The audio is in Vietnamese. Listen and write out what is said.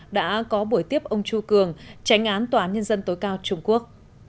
đã có buổi tiếp ông chu cường tránh án tòa án nhân dân tối cao trung quốc